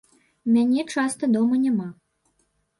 Мяне часта дома няма.